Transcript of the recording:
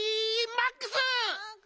マックス。